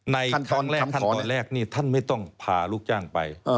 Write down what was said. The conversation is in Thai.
ในขั้นตอนแรกท่านไม่ต้องพาลูกจ้างไป